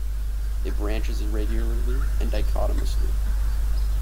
It branches irregularly and dichotomously.